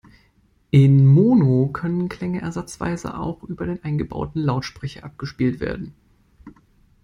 In Mono können Klänge ersatzweise auch über den eingebauten Lautsprecher abgespielt werden.